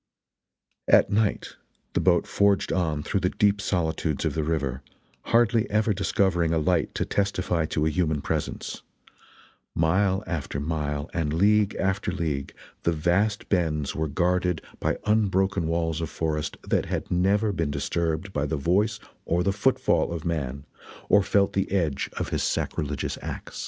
At night the boat forged on through the deep solitudes of the river, hardly ever discovering a light to testify to a human presence mile after mile and league after league the vast bends were guarded by unbroken walls of forest that had never been disturbed by the voice or the foot fall of man or felt the edge of his sacrilegious axe.